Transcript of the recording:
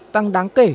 tăng đáng kể